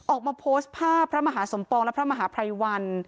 ออกมาโพสต์ภาพพระมหาสมปองและพระมหาภัยวัน